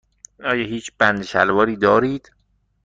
آیا هیچ بند شلواری دارید؟